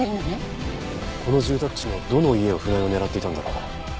この住宅地のどの家を船井は狙っていたんだろう？